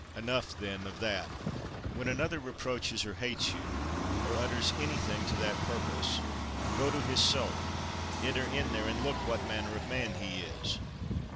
Enough then of that. 27. When another reproaches or hates you, or utters anything to that purpose; go to his soul; enter in there; and look what manner of man he is.